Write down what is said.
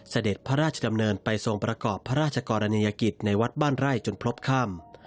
เสด็จพระราชดำเนินไปทรงประกอบพระราชกรณียกิจในวัดบ้านไร่จนพบค่ำ